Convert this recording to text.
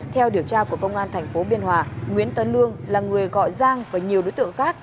theo điều tra của công an tp biên hòa nguyễn tấn lương là người gọi giang và nhiều đối tượng khác